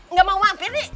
nggak mau mampir nih